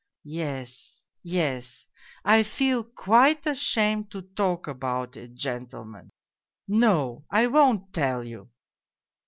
Yes ... yes, I feel quite ashamed to talk about it, gentlemen ! No, I won't tell you."